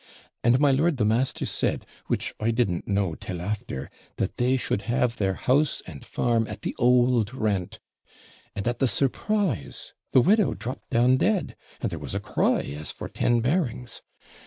And my lord the master said, which I didn't know till after, that they should have their house and farm at the OULD rent; and at the surprise, the widow dropped down dead; and there was a cry as for ten BERRINGS.